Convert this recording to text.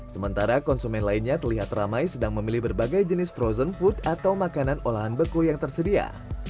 sementara konsumen lainnya terlihat ramai sedang memilih berbagai jenis frozen food atau makanan olahan beku yang tersedia